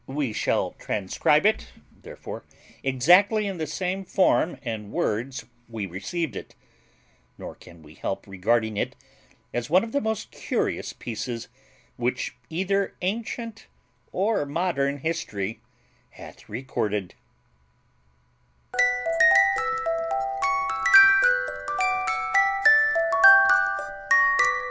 We shall transcribe it therefore exactly in the same form and words we received it; nor can we help regarding it as one of the most curious pieces which either ancient or modern history hath recorded.